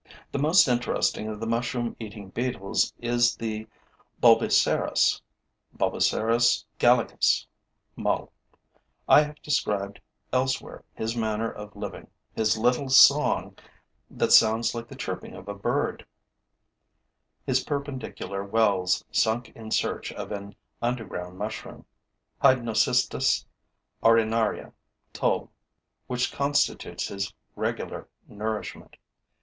The most interesting of the mushroom eating beetles is the Bolboceras (Bolboceras gallicus, MUL.). I have described elsewhere his manner of living, his little song that sounds like the chirping of a bird, his perpendicular wells sunk in search of an underground mushroom (Hydnocystis orenaria, TUL.), which constitutes his regular nourishment.